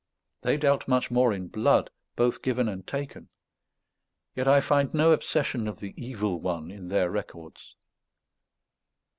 They dealt much more in blood, both given and taken; yet I find no obsession of the Evil One in their records.